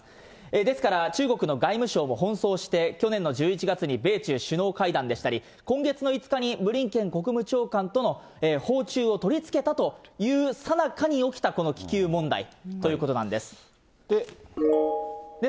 ですから、中国の外務省も奔走して、去年の１１月に米中首脳会談でしたり、今月の５日にブリンケン国務長官との訪中を取り付けたというさなかに起きたこの気球問題ということなんです。